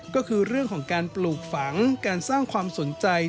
ก็คือเรื่องของการปลูกฝังการสร้างความสนใจ